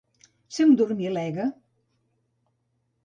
Ser un dormilega.